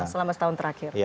selama setahun terakhir